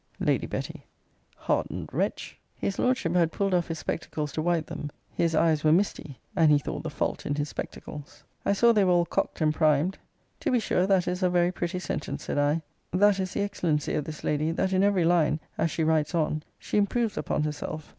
Lady Betty. Hardened wretch. His Lordship had pulled off his spectacles to wipe them. His eyes were misty; and he thought the fault in his spectacles. I saw they were all cocked and primed to be sure that is a very pretty sentence, said I that is the excellency of this lady, that in every line, as she writes on, she improves upon herself.